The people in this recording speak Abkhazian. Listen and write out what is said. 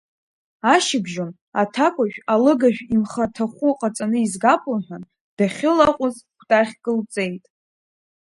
Ашьыбжьон, аҭакәажә алыгажә имхаҭахәы ҟаҵаны изгап лҳәан, дахьылаҟәыз кәтаӷьк лҵеит.